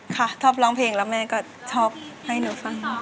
ค่ะชอบร้องเพลงแล้วแม่ก็ชอบให้หนูฟัง